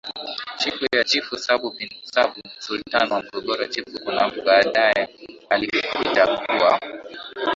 chini ya Chifu Sabu Bin Sabu Sultan wa Morogoro Chifu Kunambi baadaye alikuja kuwa